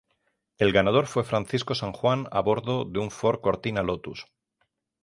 El ganador fue Francisco Sanjuán a bordo de un Ford Cortina Lotus.